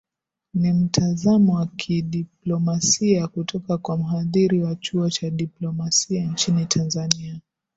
ni mtazamo wa kidiplomasia kutoka kwa mhadhiri wa chuo cha diplomasia nchini tanzania